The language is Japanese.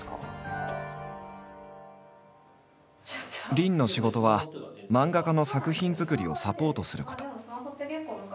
林の仕事は漫画家の作品作りをサポートすること。